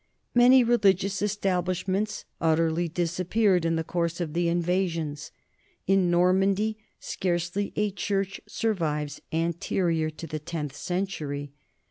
Many re ligious establishments utterly disappeared in the course of the invasions. In Normandy scarcely a church sur vives anterior to the tenth century.